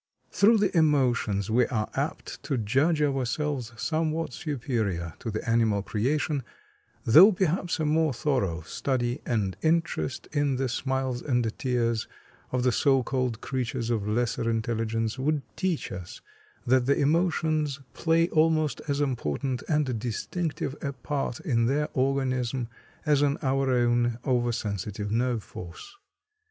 Through the emotions we are apt to judge ourselves somewhat superior to the animal creation, though perhaps a more thorough study and interest in the "smiles and tears" of the so called creatures of lesser intelligence would teach us that the emotions play almost as important and distinctive a part in their organism as in our own oversensitive nerve force.